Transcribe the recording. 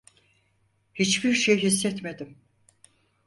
Hiçbir şey hissetmedim.